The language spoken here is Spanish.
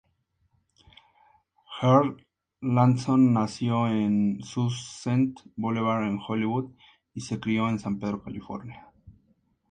Erlandson nació en Sunset Boulevard en Hollywood y se crio en San Pedro, California.